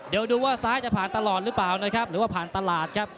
เดี๋ยวดูว่าซ้ายจะผ่านตลอดหรือเปล่านะครับหรือว่าผ่านตลาดครับ